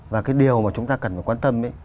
và cái điều mà chúng ta cần phải quan tâm ấy